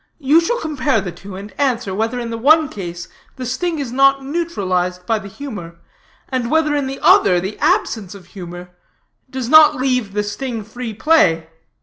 You shall compare the two, and answer, whether in the one case the sting is not neutralized by the humor, and whether in the other the absence of humor does not leave the sting free play.